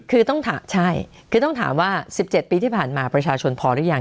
คือต้องถามว่า๑๗ปีที่ผ่านมาประชาชนพอหรือยัง